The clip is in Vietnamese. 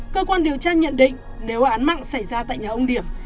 cơ quan điều tra nhận định nếu án mạng xảy ra tại nhà ông điểm